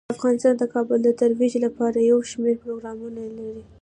افغانستان د کابل د ترویج لپاره یو شمیر پروګرامونه لري.